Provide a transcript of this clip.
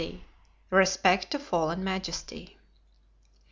Respect to Fallen Majesty.